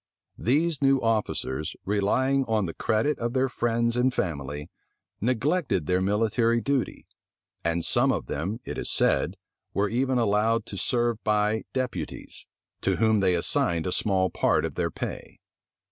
These new officers, relying on the credit of their friends and family, neglected their military duty; and some of them, it is said, were even allowed to serve by deputies, to whom they assigned a small part of their pay.